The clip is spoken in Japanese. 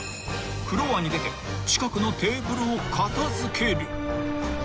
［フロアに出て近くのテーブルを片付ける］